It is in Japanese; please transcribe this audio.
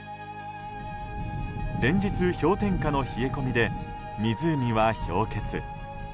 連日、氷点下の冷え込みで湖は氷結。